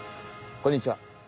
こんにちは。